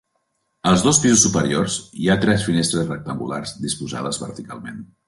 Als dos pisos superiors, hi ha tres finestres rectangulars disposades verticalment.